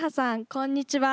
こんにちは。